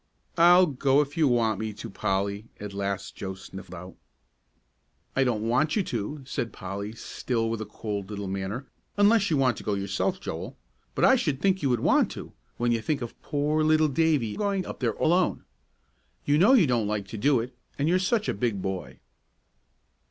"I'll go if you want me to, Polly," at last Joel sniffed out. "I don't want you to," said Polly, still with a cold little manner, "unless you want to go yourself, Joel. But I should think you would want to, when you think of poor little Davie going up there alone. You know you don't like to do it, and you're such a big boy."